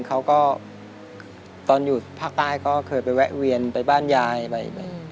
เขาก็ตอนอยู่ภาคใต้ก็เคยไปแวะเวียนไปบ้านยายไป